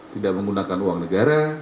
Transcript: tidak menggunakan uang negara